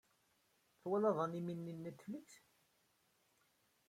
Tawalaḍ animi-nni n Netflix?